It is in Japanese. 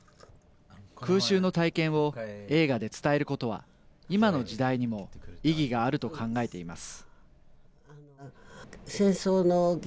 空襲の体験を映画で伝えることは今の時代にも意義があると考えています。